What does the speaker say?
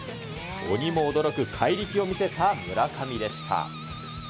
鬼も驚く怪力を見せた村上でした。